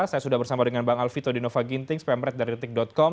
saya sudah bersama dengan bang alvito di nova gintings pemret dari retik com